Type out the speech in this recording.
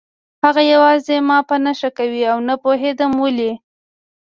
هغه یوازې ما په نښه کوي او نه پوهېدم ولې